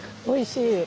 おいしい。